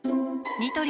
ニトリ